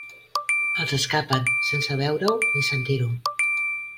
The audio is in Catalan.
Els escapen sense veure-ho ni sentir-ho.